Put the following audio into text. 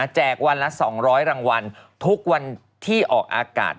วันละ๒๐๐รางวัลทุกวันที่ออกอากาศ